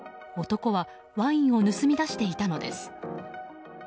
男はワインを盗み出していたのです。